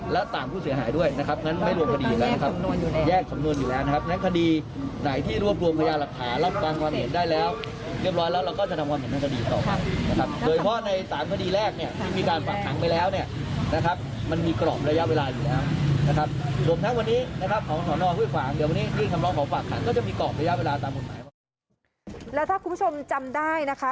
แล้วถ้าคุณผู้ชมจำได้นะคะ